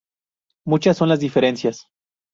Muchas son las diferencias.